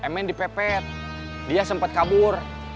mn dipepet dia sempat kabur